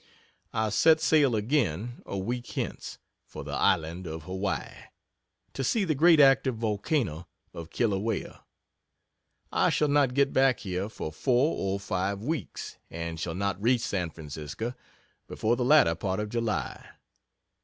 I set sail again, a week hence, for the island of Hawaii, to see the great active volcano of Kilauea. I shall not get back here for four or five weeks, and shall not reach San Francisco before the latter part of July.